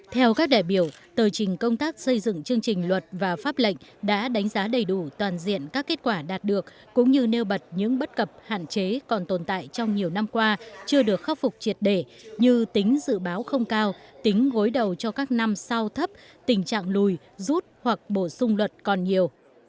theo các đại biểu tờ trình công tác xây dựng chương trình luật và pháp lệnh đã đánh giá đầy đủ toàn diện các kết quả đạt được cũng như nêu bật những bất cập hạn chế còn tồn tại trong nhiều năm qua chưa được khắc phục triệt để như tính dự báo không cao tính gối đầu cho các năm sau thấp tình trạng lùi rút hoặc bổ sung luật còn nhiều